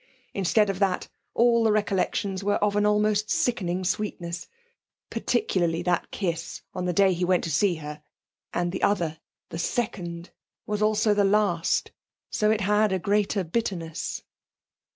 Instead of that, all the recollections were of an almost sickening sweetness; particularly that kiss on the day he went to see her. And the other, the second, was also the last; so it had a greater bitterness.